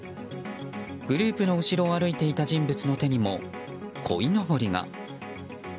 グループの後ろを歩いていた人物の手にもこいのぼりが。